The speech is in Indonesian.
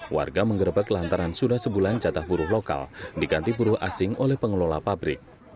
warga mengerebek lantaran sudah sebulan jatah buruh lokal diganti buruh asing oleh pengelola pabrik